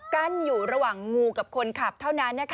กั้นอยู่ระหว่างงูกับคนขับเท่านั้น